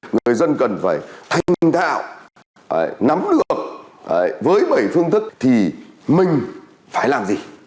người dân cần phải thành thạo nắm được với bảy phương thức thì mình phải làm gì